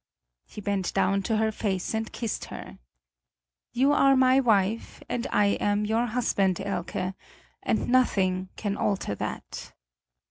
He bent down to her face and kissed her: "You are my wife and I am your husband, Elke. And nothing can alter that."